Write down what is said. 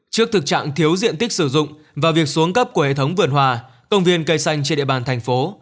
trước thực trạng thiếu diện tích sử dụng và việc xuống cấp của hệ thống vườn hòa công viên cây xanh trên địa bàn thành phố